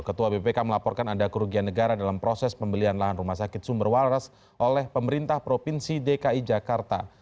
ketua bpk melaporkan ada kerugian negara dalam proses pembelian lahan rumah sakit sumber waras oleh pemerintah provinsi dki jakarta